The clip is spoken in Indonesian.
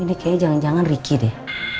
ini kayaknya jangan jangan ricky deh